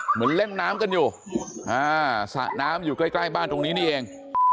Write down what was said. เหมือนเล่นน้ำกันอยู่สระน้ำอยู่ใกล้บ้านตรงนี้นี่เอง